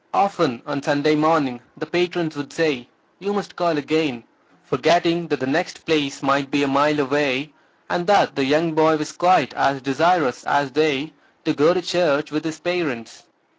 Often on Sunday morning the patrons would say, "You must call again," forgetting that the next place might be a mile away, and that the young boy was quite as desirous as they, to go to church with his parents.